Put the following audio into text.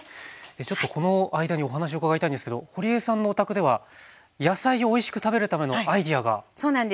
ちょっとこの間にお話伺いたいんですけどほりえさんのお宅では野菜をおいしく食べるためのアイデアがあるということで。